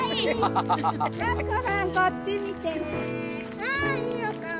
あいいお顔！